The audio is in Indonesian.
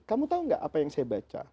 kamu tahu nggak apa yang saya baca